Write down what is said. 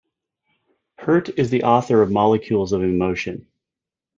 Pert is the author of "Molecules of Emotion".